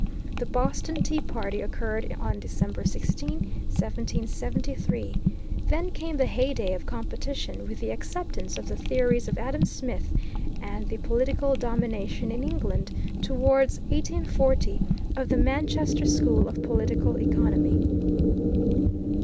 The Boston Tea Party occurred on December 16, 1773. Then came the heyday of competition with the acceptance of the theories of Adam Smith, and the political domination in England, towards 1840, of the Manchester school of political economy.